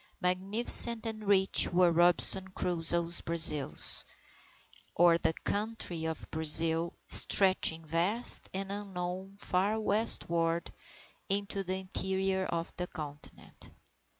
Magnificent and rich were Robinson Crusoe's Brazils, or the Country of Brazil, stretching vast and unknown far westward into the interior of the continent.